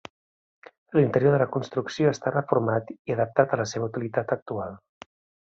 L'interior de la construcció està reformat i adaptat a la seva utilitat actual.